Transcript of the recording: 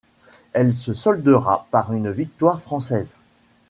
Elle se soldera par une victoire française.